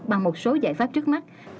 bằng một số giải pháp trước mắt